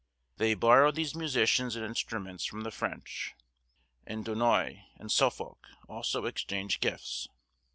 They borrowed these musicians and instruments from the French, and Dunois and Suffolk also exchanged gifts."